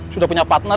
sudah punya partner